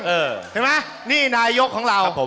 เห็นไหมนี่นายกของเรา